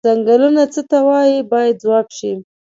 څنګلونه څه ته وایي باید ځواب شي.